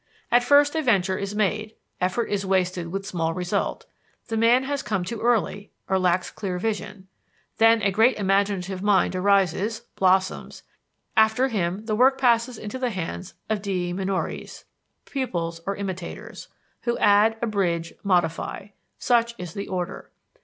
At first a venture is made, effort is wasted with small result, the man has come too early or lacks clear vision; then a great imaginative mind arises, blossoms; after him the work passes into the hands of dii minores, pupils or imitators, who add, abridge, modify: such is the order.